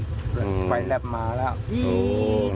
ก็เอาเหญ้าแล้ว